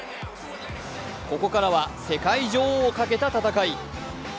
ここからは世界女王をかけた戦い。